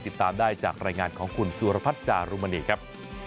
ติดตามได้จากรายงานของคุณสุรพัฒน์จารุมณีครับ